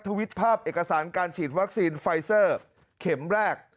วิตภาพเอกสารการฉีดวัคซีนไฟเซอร์เข็มแรก